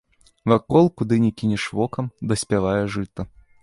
Вакол, куды ні кінеш вокам, даспявае жыта.